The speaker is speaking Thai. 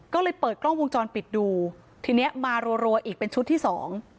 ก็เลยเปิดกล้องวงจรปิดดูทีเนี้ยมารัวอีกเป็นชุดที่สอง